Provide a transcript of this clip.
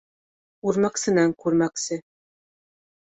Үрмәксенән күрмәксе.